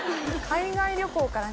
海外旅行から。